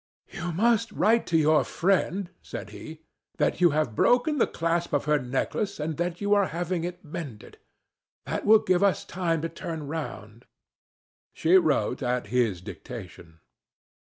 "You must write to your friend," said he, "that you have broken the clasp of her necklace and that you are having it mended. That will give us time to turn round." She wrote at his dictation.